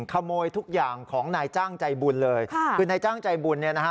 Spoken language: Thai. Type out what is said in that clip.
ขโมยทุกอย่างของนายจ้างใจบุญเลยค่ะคือนายจ้างใจบุญเนี่ยนะฮะ